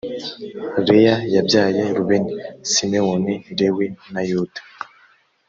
leya yabyaye rubeni simewoni lewi na yuda